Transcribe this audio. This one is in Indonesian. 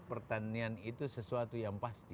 pertanian itu sesuatu yang pasti